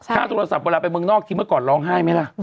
ค่าโทรศัพท์เวลาไปเมืองนอกทีเมื่อก่อนร้องไห้ไหมล่ะ